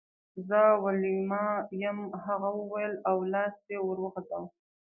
زه ویلما یم هغې وویل او لاس یې ور وغزاوه